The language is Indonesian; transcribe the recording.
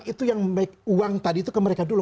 itu yang naik uang tadi itu ke mereka dulu